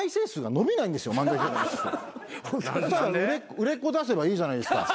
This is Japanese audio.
売れっ子出せばいいじゃないですか。